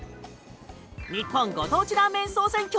日本ご当地ラーメン総選挙！